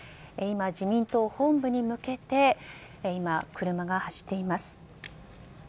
今、自民党本部に向けて今、車が走っています。